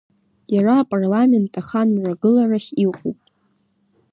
Иара апарламент ахан мрагыларахь иҟоуп.